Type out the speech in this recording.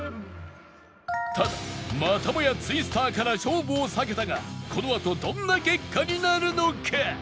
ただまたもやツイスターから勝負を避けたがこのあとどんな結果になるのか？